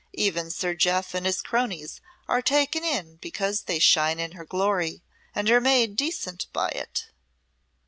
Even Sir Jeof and his cronies are taken in because they shine in her glory and are made decent by it."